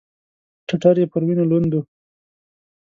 ټټر يې پر وينو لوند و.